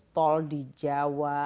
tol di jawa